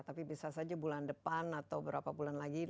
tapi bisa saja bulan depan atau berapa bulan lagi